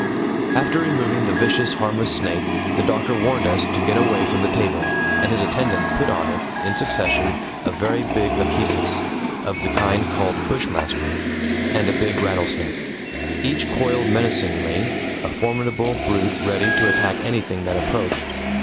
After removing the vicious harmless snake, the doctor warned us to get away from the table, and his attendant put on it, in succession, a very big lachecis of the kind called bushmaster and a big rattlesnake. Each coiled menacingly, a formidable brute ready to attack anything that approached.